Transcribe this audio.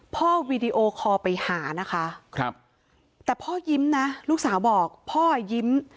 วีดีโอคอลไปหานะคะแต่พ่อยิ้มนะลูกสาวบอกพ่อยิ้ม